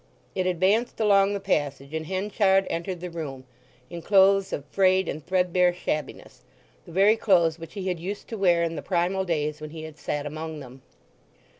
It advanced along the passage, and Henchard entered the room, in clothes of frayed and threadbare shabbiness, the very clothes which he had used to wear in the primal days when he had sat among them.